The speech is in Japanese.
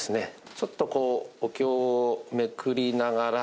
ちょっとこうお経をめくりながら。